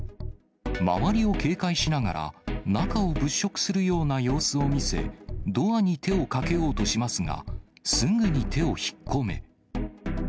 周りを警戒しながら、中を物色するような様子を見せ、ドアに手をかけようとしますが、すぐに手を引っ込め。